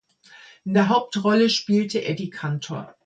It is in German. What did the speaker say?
In der Hauptrolle spielte Eddie Cantor.